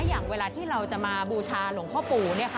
อย่างเวลาที่เราจะมาบูชาหลวงพ่อปู่